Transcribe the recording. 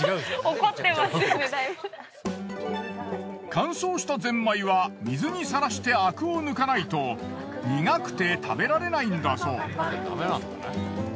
乾燥したゼンマイは水にさらしてアクを抜かないと苦くて食べられないんだそう。